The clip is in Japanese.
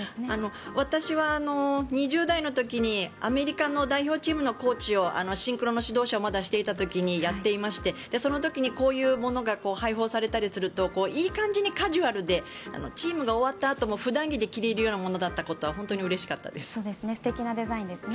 私は２０代の時にアメリカの代表チームのコーチをシンクロの指導者をまだしていた頃にやっていまして、その時にこういうものが配布されるといい感じにカジュアルでチームが終わったあとも普段着で着れるようなものだったことは素敵なデザインですね。